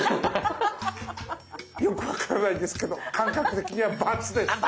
よく分からないですけど感覚的にはバツです。